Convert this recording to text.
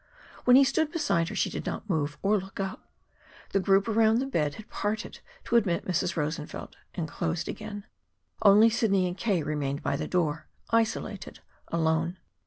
When he stood beside her, she did not move or look up. The group around the bed had parted to admit Mrs. Rosenfeld, and closed again. Only Sidney and K. remained by the door, isolated, alone.